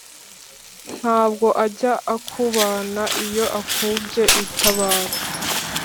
ntabwo ajya akubana, iyo akubye itabaro